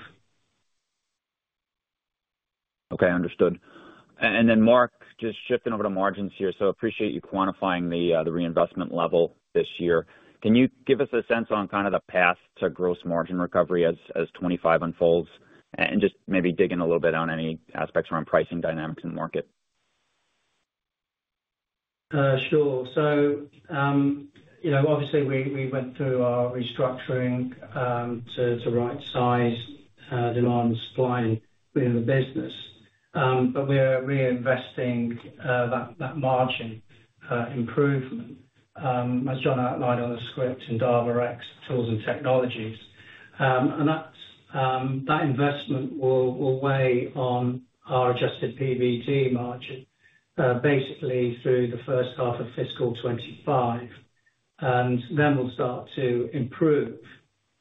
Okay, understood. And then, Mark, just shifting over to margins here. So appreciate you quantifying the reinvestment level this year. Can you give us a sense on kind of the path to gross margin recovery as 2025 unfolds? And just maybe dig in a little bit on any aspects around pricing dynamics in the market. Sure. So, you know, obviously we went through our restructuring to rightsize demand and supply within the business. But we are reinvesting that margin improvement as John outlined on the script in Endava X tools and technologies. And that investment will weigh on our adjusted PBT margin basically through the first half of fiscal 2025, and then we'll start to improve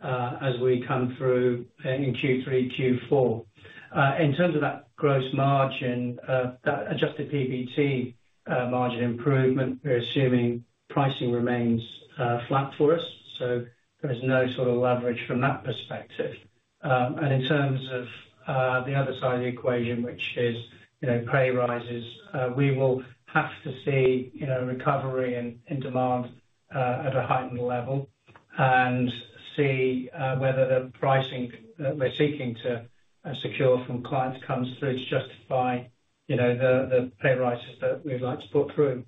as we come through in Q3, Q4. In terms of that gross margin, that adjusted PBT margin improvement, we're assuming pricing remains flat for us, so there's no sort of leverage from that perspective. And in terms of the other side of the equation, which is, you know, pay rises, we will have to see, you know, recovery in demand at a heightened level and see whether the pricing that we're seeking to secure from clients comes through to justify, you know, the pay rises that we'd like to put through.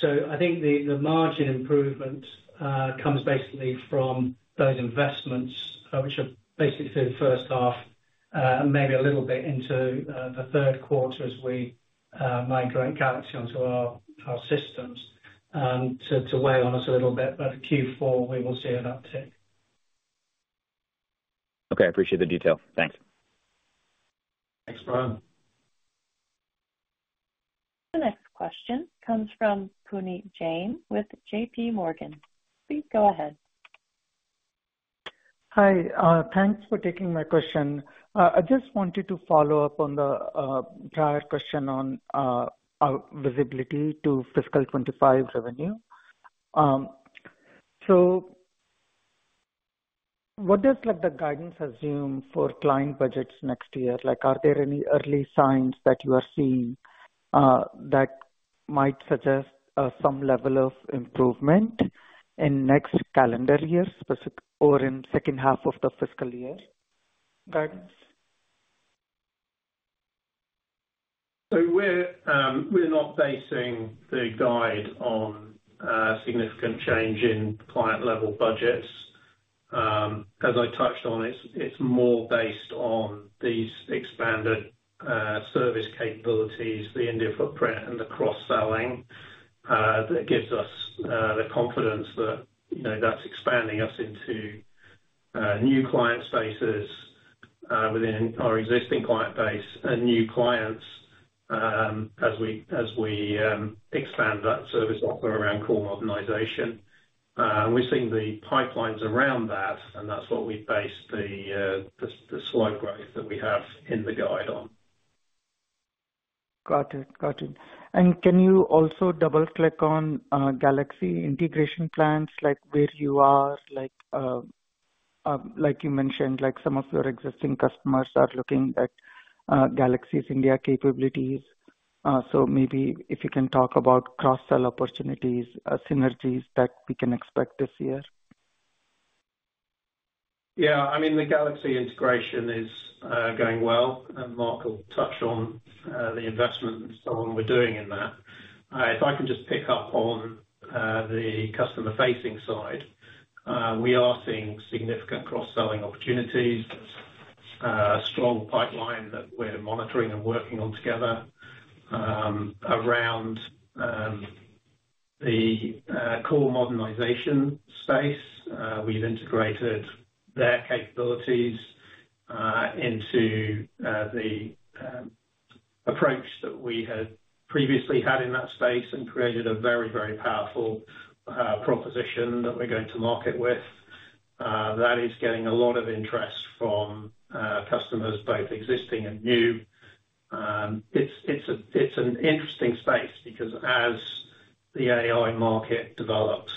So I think the margin improvement comes basically from those investments, which are basically through the first half and maybe a little bit into the third quarter as we migrate GalaxE onto our systems to weigh on us a little bit, but Q4, we will see an uptick.... Okay, I appreciate the detail. Thanks. Thanks, Brian. The next question comes from Puneet Jain with J.P. Morgan. Please go ahead. Hi, thanks for taking my question. I just wanted to follow up on the prior question on our visibility to fiscal 2025 revenue. So what does, like, the guidance assume for client budgets next year? Like, are there any early signs that you are seeing that might suggest some level of improvement in next calendar year or in second half of the fiscal year guidance? So we're not basing the guide on significant change in client-level budgets. As I touched on, it's more based on these expanded service capabilities, the India footprint, and the cross-selling that gives us the confidence that, you know, that's expanding us into new client spaces within our existing client base and new clients, as we expand that service offer around core modernization. And we're seeing the pipelines around that, and that's what we base the slight growth that we have in the guide on. Got it. Got it. And can you also double-click on, GalaxE integration plans, like where you are, like, like you mentioned, like some of your existing customers are looking at, GalaxE's India capabilities. So maybe if you can talk about cross-sell opportunities, synergies that we can expect this year. Yeah, I mean, the GalaxE integration is going well, and Mark will touch on the investment and so on we're doing in that. If I can just pick up on the customer-facing side. We are seeing significant cross-selling opportunities, a strong pipeline that we're monitoring and working on together, around the core modernization space. We've integrated their capabilities into the approach that we had previously had in that space and created a very, very powerful proposition that we're going to market with. That is getting a lot of interest from customers, both existing and new. It's an interesting space because as the AI market develops,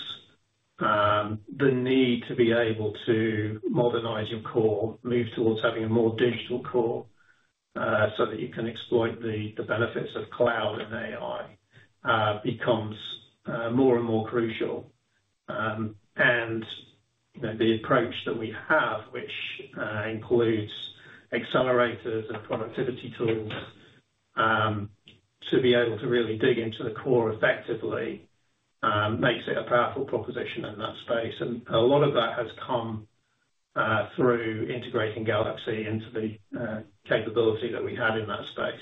the need to be able to modernize your core, move towards having a more digital core, so that you can exploit the benefits of cloud and AI, becomes more and more crucial, and you know, the approach that we have, which includes accelerators and productivity tools, to be able to really dig into the core effectively, makes it a powerful proposition in that space, and a lot of that has come through integrating GalaxE into the capability that we had in that space,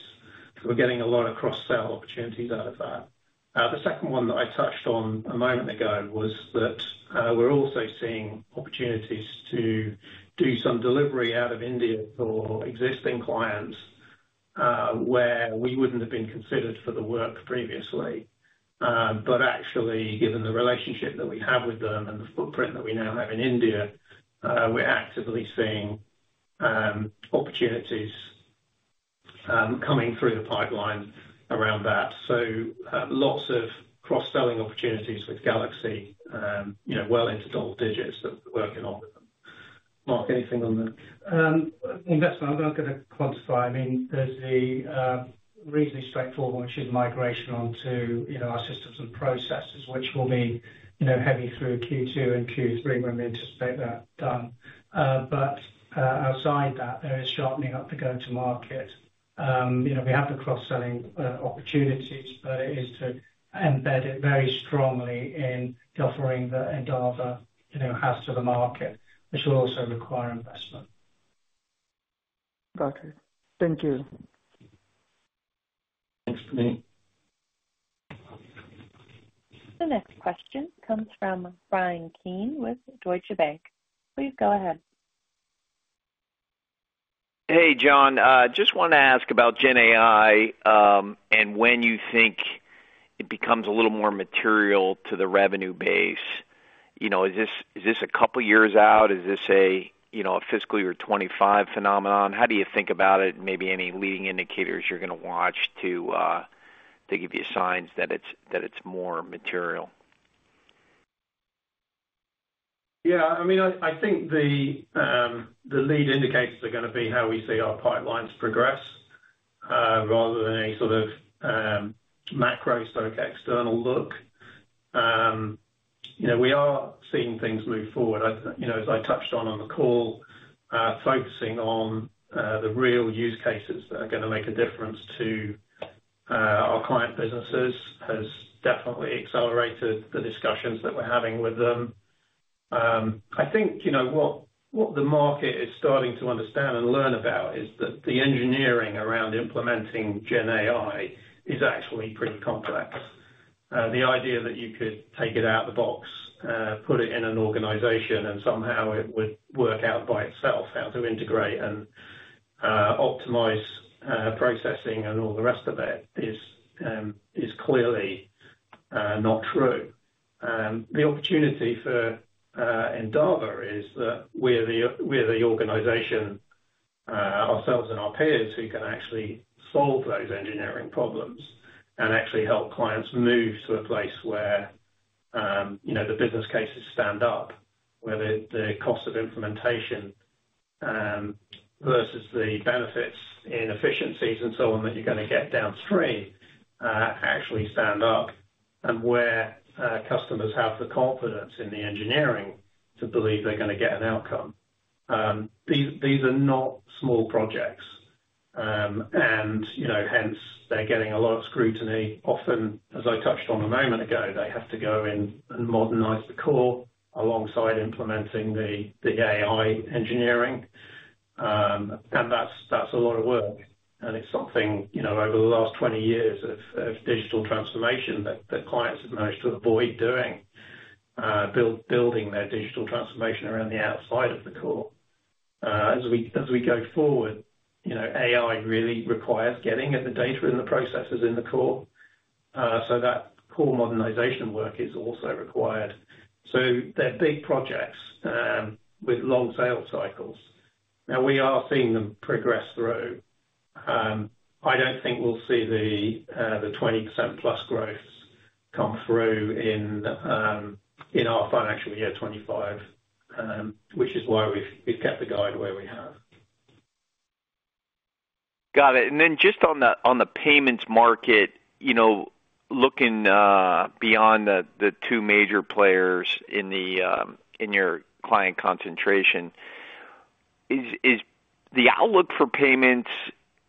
so we're getting a lot of cross-sell opportunities out of that. The second one that I touched on a moment ago was that we're also seeing opportunities to do some delivery out of India for existing clients where we wouldn't have been considered for the work previously. But actually, given the relationship that we have with them and the footprint that we now have in India, we're actively seeing opportunities coming through the pipeline around that. So, lots of cross-selling opportunities with GalaxE, you know, well into double digits that we're working on with them. Mark, anything on that? Investment, I'm not going to quantify. I mean, there's the reasonably straightforward, which is migration onto, you know, our systems and processes, which will be, you know, heavy through Q2 and Q3, when we anticipate that done. But outside that, there is sharpening up the go-to-market. You know, we have the cross-selling opportunities, but it is to embed it very strongly in the offering that Endava, you know, has to the market, which will also require investment. Got it. Thank you. Thanks, Puneet. The next question comes from Brian Keane with Deutsche Bank. Please go ahead. Hey, John, just want to ask about GenAI, and when you think it becomes a little more material to the revenue base. You know, is this a couple years out? Is this a, you know, a fiscal year 2025 phenomenon? How do you think about it, and maybe any leading indicators you're gonna watch to give you signs that it's more material? Yeah, I mean, I think the lead indicators are gonna be how we see our pipelines progress, rather than any sort of macro sort of external look. You know, we are seeing things move forward. You know, as I touched on, on the call, focusing on the real use cases that are gonna make a difference to our client businesses, has definitely accelerated the discussions that we're having with them. I think, you know, what the market is starting to understand and learn about is that the engineering around implementing GenAI is actually pretty complex. The idea that you could take it out of the box, put it in an organization, and somehow it would work out by itself, how to integrate and, optimize, processing and all the rest of it, is clearly not true. The opportunity for Endava is that we're the, we're the organization, ourselves and our peers, who can actually solve those engineering problems and actually help clients move to a place where, you know, the business cases stand up, where the, the cost of implementation, versus the benefits in efficiencies and so on, that you're gonna get downstream, actually stand up, and where, customers have the confidence in the engineering to believe they're gonna get an outcome. These are not small projects, and, you know, hence, they're getting a lot of scrutiny. Often, as I touched on a moment ago, they have to go in and modernize the core, alongside implementing the AI engineering. And that's a lot of work, and it's something, you know, over the last 20 years of digital transformation, that clients have managed to avoid doing, building their digital transformation around the outside of the core. As we go forward, you know, AI really requires getting at the data and the processes in the core, so that core modernization work is also required. So they're big projects, with long sales cycles, and we are seeing them progress through. I don't think we'll see the 20% plus growth come through in the in our financial year 2025, which is why we've kept the guide where we have. Got it. And then just on the payments market, you know, looking beyond the two major players in your client concentration, is the outlook for payments.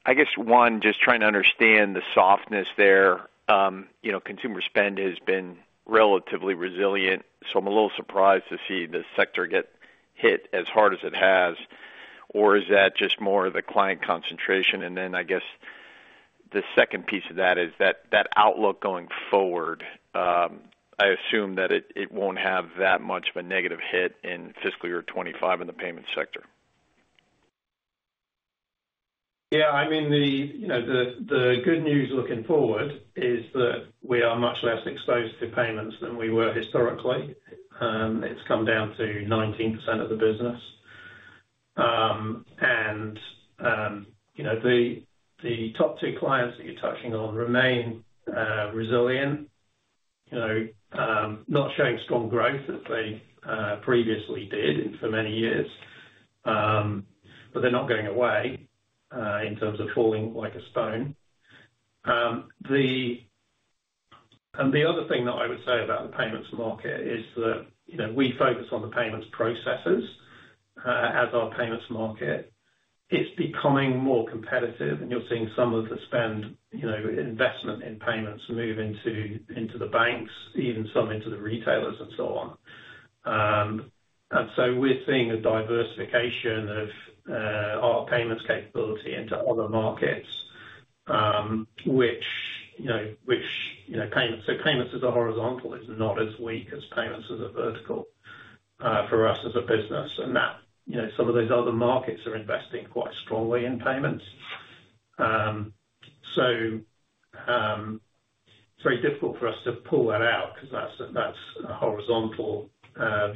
I guess one, just trying to understand the softness there. You know, consumer spend has been relatively resilient, so I'm a little surprised to see the sector get hit as hard as it has, or is that just more the client concentration? And then, I guess, the second piece of that is that outlook going forward. I assume that it won't have that much of a negative hit in fiscal year 2025 in the payments sector. Yeah, I mean, you know, the good news looking forward is that we are much less exposed to payments than we were historically. It's come down to 19% of the business. And you know, the top two clients that you're touching on remain resilient. You know, not showing strong growth as they previously did and for many years, but they're not going away, in terms of falling like a stone. And the other thing that I would say about the payments market is that, you know, we focus on the payments processors, as our payments market. It's becoming more competitive, and you're seeing some of the spend, you know, investment in payments, move into the banks, even some into the retailers and so on. And so we're seeing a diversification of our payments capability into other markets, which, you know, payments. So payments as a horizontal is not as weak as payments as a vertical for us as a business. And that, you know, some of those other markets are investing quite strongly in payments. So it's very difficult for us to pull that out, because that's a horizontal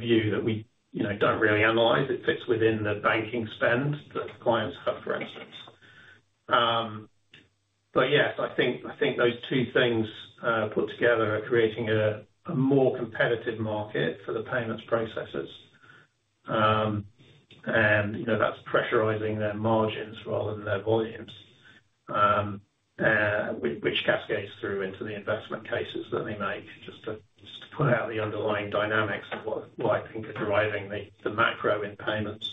view that we, you know, don't really analyze. It fits within the banking spend that clients have, for instance. But yes, I think those two things put together are creating a more competitive market for the payments processors. You know, that's pressurizing their margins rather than their volumes, which cascades through into the investment cases that they make, just to point out the underlying dynamics of what I think is driving the macro in payments.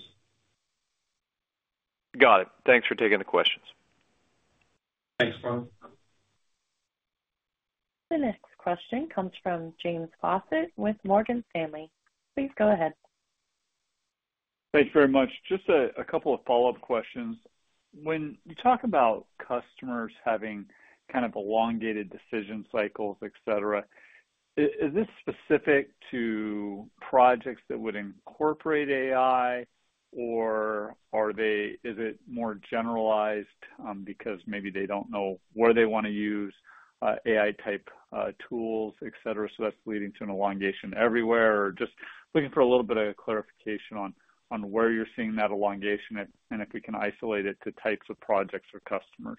Got it. Thanks for taking the questions. Thanks, Ron. The next question comes from James Faucette with Morgan Stanley. Please go ahead. Thanks very much. Just a couple of follow-up questions. When you talk about customers having kind of elongated decision cycles, et cetera, is this specific to projects that would incorporate AI, or is it more generalized, because maybe they don't know where they want to use AI type tools, et cetera, so that's leading to an elongation everywhere? Or just looking for a little bit of clarification on where you're seeing that elongation and if we can isolate it to types of projects or customers.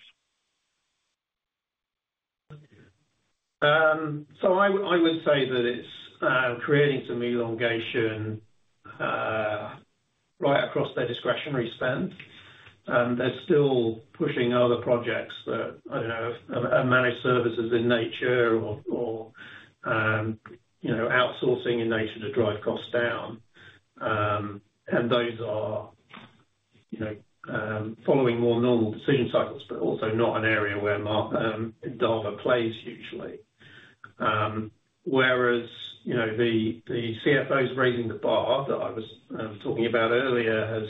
So I would say that it's creating some elongation right across their discretionary spend, and they're still pushing other projects that I don't know are managed services in nature or you know outsourcing in nature to drive costs down. Those are you know following more normal decision cycles, but also not an area where Endava plays usually. Whereas you know the CFOs raising the bar that I was talking about earlier has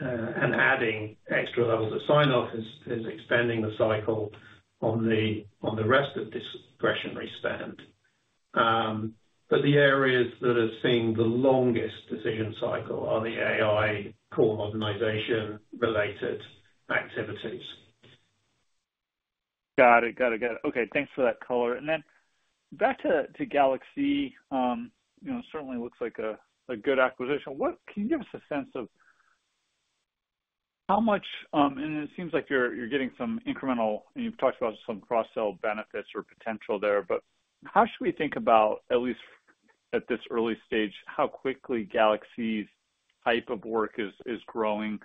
and adding extra levels of signoff is extending the cycle on the rest of discretionary spend. But the areas that are seeing the longest decision cycle are the AI core modernization related activities. Got it. Okay, thanks for that color. Then back to GalaxE, you know, certainly looks like a good acquisition. Can you give us a sense of how much, and it seems like you're getting some incremental, and you've talked about some cross-sell benefits or potential there, but how should we think about, at least at this early stage, how quickly GalaxE's type of work is growing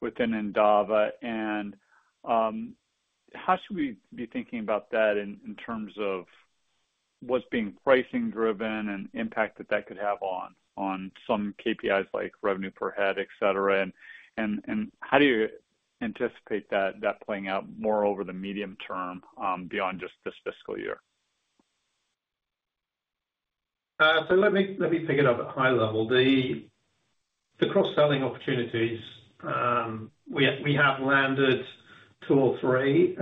within Endava? And how should we be thinking about that in terms of what's being pricing driven and impact that could have on some KPIs, like revenue per head, et cetera? And how do you anticipate that playing out more over the medium term, beyond just this fiscal year? So let me pick it up at high level. The cross-selling opportunities, we have landed two or three,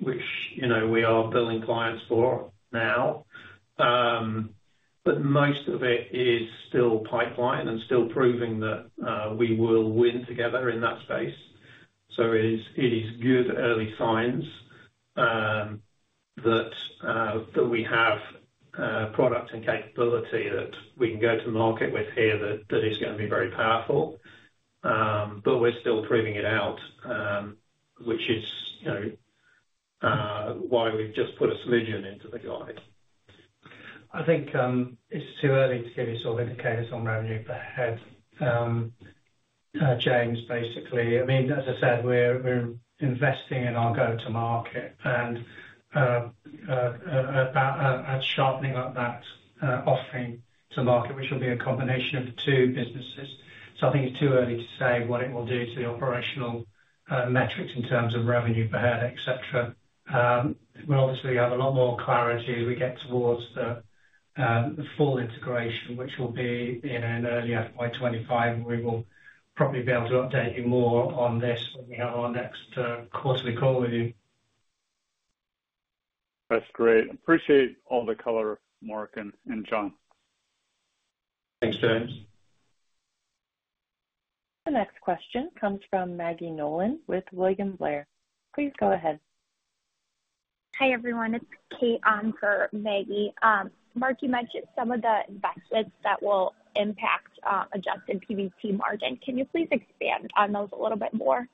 which, you know, we are billing clients for now. But most of it is still pipeline and still proving that we will win together in that space. So it is good early signs that we have product and capability that we can go to market with here that is gonna be very powerful. But we're still proving it out, which is, you know, why we've just put a solution into Guidewire. I think it's too early to see these sort of indicators on revenue per head, James, basically. I mean, as I said, we're investing in our go-to-market and sharpening up that offering to market, which will be a combination of the two businesses. So I think it's too early to say what it will do to the operational metrics in terms of revenue per head, et cetera. We'll obviously have a lot more clarity as we get towards the full integration, which will be in an early FY25. We will probably be able to update you more on this when we have our next quarterly call with you. That's great! Appreciate all the color, Mark and John. Thanks, James. The next question comes from Maggie Nolan with William Blair. Please go ahead. Hi, everyone. It's Kate on for Maggie. Mark, you mentioned some of the investments that will impact adjusted PBT margin. Can you please expand on those a little bit more?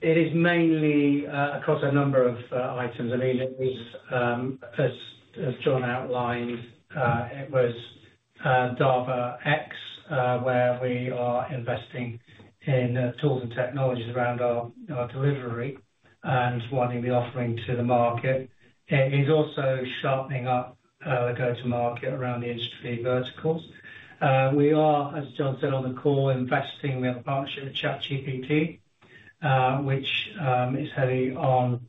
It is mainly across a number of items. I mean, it was, as John outlined, it was Endava X, where we are investing in tools and technologies around our delivery and wanting the offering to the market. It is also sharpening up the go-to-market around the industry verticals. We are, as John said on the call, investing. We have a partnership with ChatGPT, which is heavy on,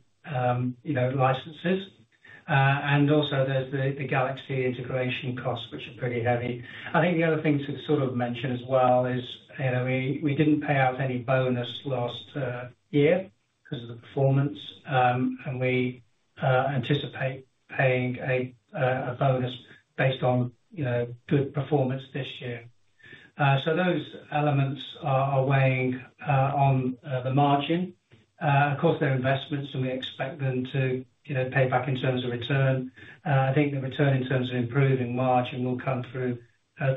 you know, licenses. And also there's the GalaxE integration costs, which are pretty heavy. I think the other thing to sort of mention as well is, you know, we didn't pay out any bonus last year because of the performance. And we anticipate paying a bonus based on, you know, good performance this year. So those elements are weighing on the margin. Of course, they're investments, so we expect them to, you know, pay back in terms of return. I think the return in terms of improving margin will come through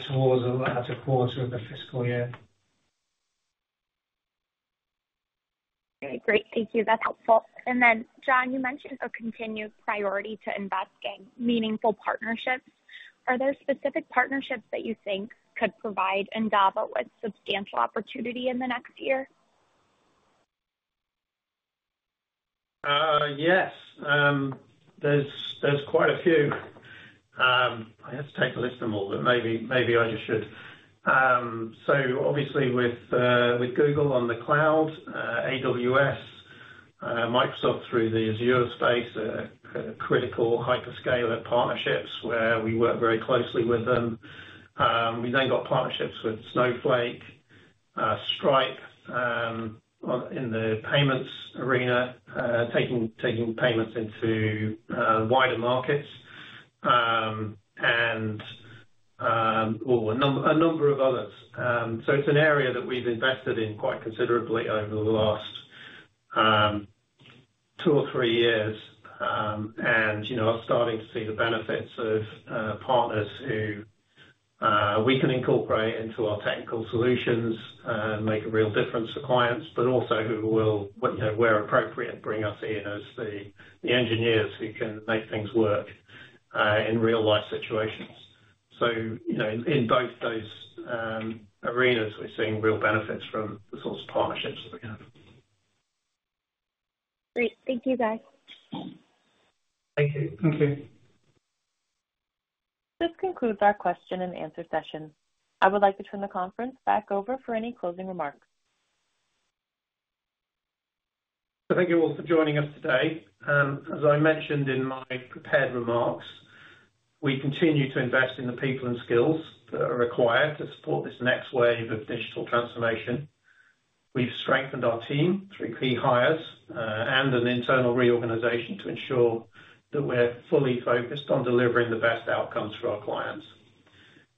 towards the latter quarter of the fiscal year. Okay, great. Thank you. That's helpful. And then, John, you mentioned a continued priority to invest in meaningful partnerships. Are there specific partnerships that you think could provide Endava with substantial opportunity in the next year? Yes. There's quite a few. I have to list them all, but maybe I just should. So obviously with Google on the cloud, AWS, Microsoft through the Azure space, critical hyperscaler partnerships where we work very closely with them. We've then got partnerships with Snowflake, Stripe, on in the payments arena, taking payments into wider markets, and well, a number of others. So it's an area that we've invested in quite considerably over the last two or three years. And, you know, are starting to see the benefits of partners who we can incorporate into our technical solutions, make a real difference to clients, but also who will, you know, where appropriate, bring us in as the engineers who can make things work in real-life situations, so you know, in both those arenas, we're seeing real benefits from the sorts of partnerships that we have. Great. Thank you, guys. Thank you. Thank you. This concludes our question and answer session. I would like to turn the conference back over for any closing remarks. Thank you all for joining us today. As I mentioned in my prepared remarks, we continue to invest in the people and skills that are required to support this next wave of digital transformation. We've strengthened our team through key hires and an internal reorganization to ensure that we're fully focused on delivering the best outcomes for our clients.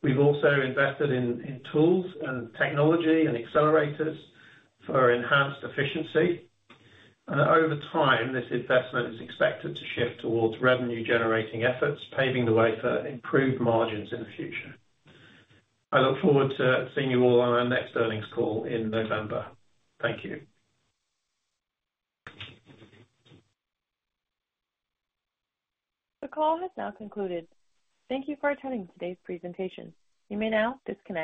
We've also invested in tools and technology and accelerators for enhanced efficiency. Over time, this investment is expected to shift towards revenue-generating efforts, paving the way for improved margins in the future. I look forward to seeing you all on our next earnings call in November. Thank you. The call has now concluded. Thank you for attending today's presentation. You may now disconnect.